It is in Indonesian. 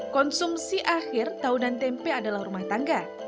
konsumsi akhir tahu dan tempe adalah rumah tangga